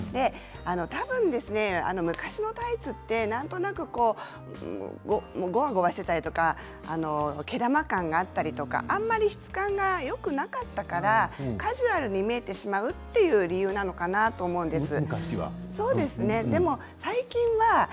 たぶん昔のタイツはなんとなくごわごわしていたりとか毛玉感があったりとかあまり質感がよくなかったからカジュアルに見えてしまうという理由なのかなと思うんです。